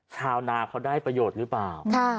ชาวนาเขาได้ประโยชน์หรือเปล่า